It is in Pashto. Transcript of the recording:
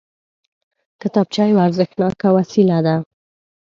کتابچه یوه ارزښتناکه وسیله ده